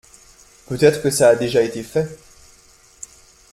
Peut-être que ça a déjà été fait.